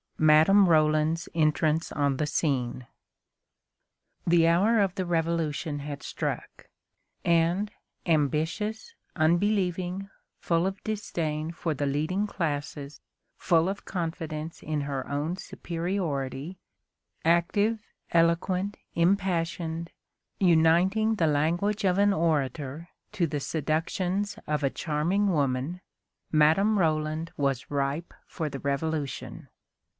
MADAME ROLAND'S ENTRANCE ON THE SCENE. The hour of the Revolution had struck, and, ambitious, unbelieving, full of disdain for the leading classes, full of confidence in her own superiority, active, eloquent, impassioned, uniting the language of an orator to the seductions of a charming woman, Madame Roland was ripe for the Revolution.